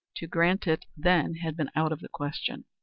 To grant it then had been out of the question.